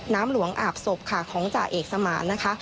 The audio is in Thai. น้ำหลวงอาบศพค่ะของจ่าเอกสมานนะคะ